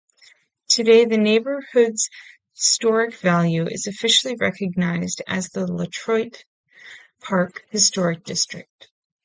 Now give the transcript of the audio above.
Today, the neighborhood's historic value is officially recognized as the LeDroit Park Historic District.